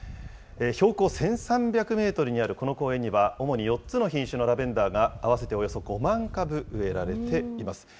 標高１３００メートルにあるこの公園には、主に４つの品種のラベンダーが合わせておよそ５万株植えられています。